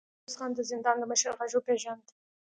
ميرويس خان د زندان د مشر غږ وپېژاند.